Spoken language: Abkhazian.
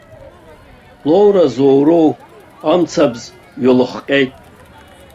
Лоуразоуроу амцабз ҩалыхҟьеит.